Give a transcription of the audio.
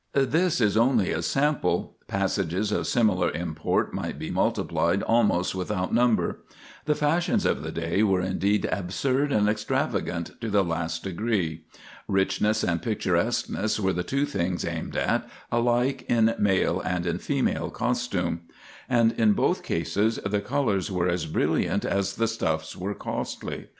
This is only a sample; passages of similar import might be multiplied almost without number. The fashions of the day were indeed absurd and extravagant to the last degree. Richness and picturesqueness were the two things aimed at alike in male and in female costume; and in both cases the colors were as brilliant as the stuffs were costly.